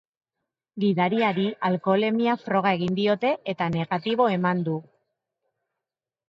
Gidariari alkoholemia froga egin diote eta negatibo eman du.